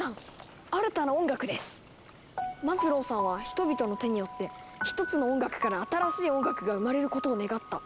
マズローさんは人々の手によって一つの音楽から新しい音楽が生まれることを願った。